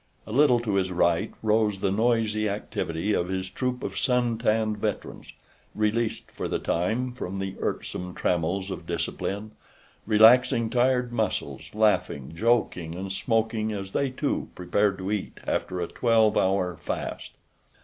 A little to his right rose the noisy activity of his troop of sun tanned veterans, released for the time from the irksome trammels of discipline, relaxing tired muscles, laughing, joking, and smoking as they, too, prepared to eat after a twelve hour fast.